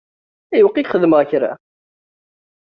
Ayweq i k-xedmeɣ kra?